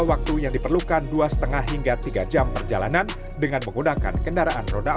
waktu yang diperlukan dua lima hingga tiga jam perjalanan dengan menggunakan kendaraan roda empat